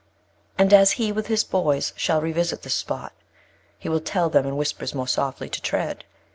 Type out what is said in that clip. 9. And as he, with his boys, shall revisit this spot, He will tell them in whispers more softly to tread.